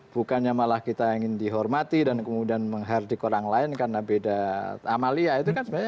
bukannya malah kita ingin dihormati dan kemudian menghardik orang lain karena beda amalia itu kan sebenarnya